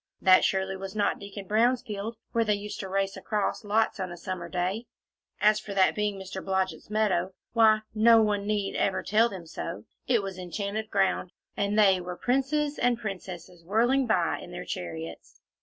That surely was not Deacon Brown's field, where they used to race across lots, on a summer day! And as for that being Mr. Blodgett's meadow why! no one need ever tell them so; it was enchanted ground, and they were princes and princesses whirling by in their chariots.